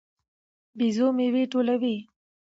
بيزو میوې ټولوي.